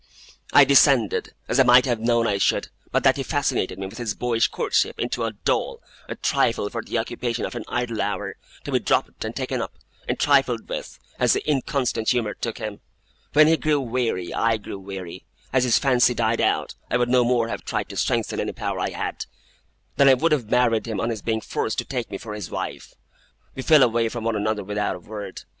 'I descended as I might have known I should, but that he fascinated me with his boyish courtship into a doll, a trifle for the occupation of an idle hour, to be dropped, and taken up, and trifled with, as the inconstant humour took him. When he grew weary, I grew weary. As his fancy died out, I would no more have tried to strengthen any power I had, than I would have married him on his being forced to take me for his wife. We fell away from one another without a word.